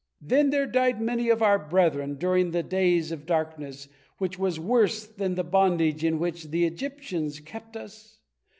Then there died many of our brethren during the days of darkness, which was worse than the bondage in which the Egyptians kept us.